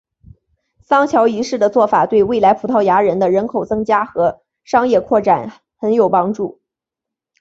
桑乔一世的做法对未来葡萄牙的人口增加和商业扩展很有帮助。